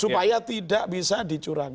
supaya tidak bisa dicurangi